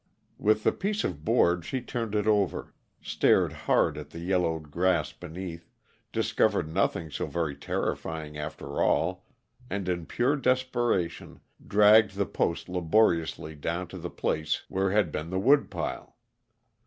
With the piece of board she turned it over, stared hard at the yellowed grass beneath, discovered nothing so very terrifying after all, and, in pure desperation, dragged the post laboriously down to the place where had been the woodpile.